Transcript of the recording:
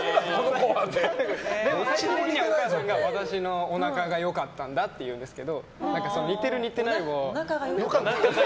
お母さんが私のおなかがよかったんだって言うんですけど似てる、似てないを。